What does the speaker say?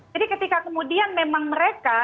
jadi ketika kemudian memang mereka